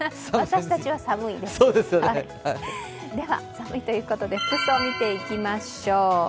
寒いということで服装見ていきましょう。